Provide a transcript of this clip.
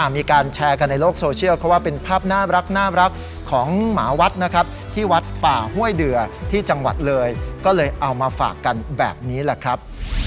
มีการแชร์กันในโลกโซเชียลเขาว่าเป็นภาพน่ารักของหมาวัดนะครับที่วัดป่าห้วยเดือที่จังหวัดเลยก็เลยเอามาฝากกันแบบนี้แหละครับ